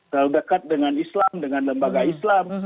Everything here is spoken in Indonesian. terlalu dekat dengan islam dengan lembaga islam